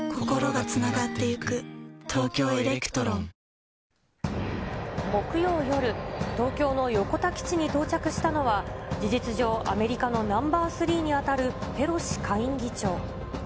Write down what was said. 水曜、木曜夜、東京の横田基地に到着したのは、事実上、アメリカのナンバー３に当たるペロシ下院議長。